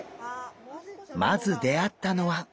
まず出会ったのは。